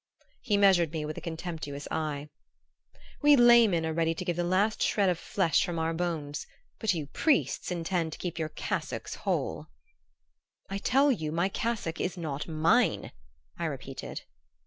He measured me with a contemptuous eye. "We laymen are ready to give the last shred of flesh from our bones, but you priests intend to keep your cassocks whole." "I tell you my cassock is not mine," I repeated.